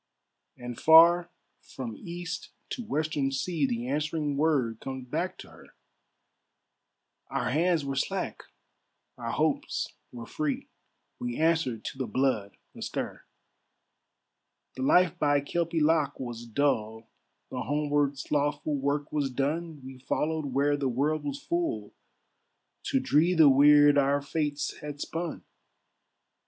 And far, from east to western sea, The answering word comes back to her, "Our hands were slack, our hopes were free, We answered to the blood astir; "The life by Kelpie loch was dull, The homeward slothful work was done, We followed where the world was full, To dree the weird our fates had spun.